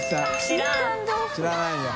知らん。